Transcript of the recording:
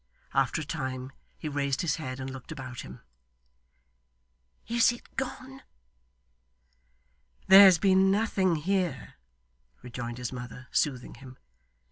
After a time, he raised his head and looked about him. 'Is it gone?' 'There has been nothing here,' rejoined his mother, soothing him.